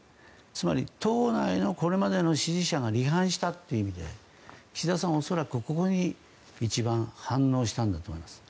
つまり、党内のこれまでの支持者が離反したという意味で岸田さん恐らくここに一番反応したんだと思います。